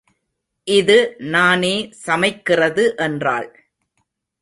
இது நானே சமைக்கிறது என்றாள்.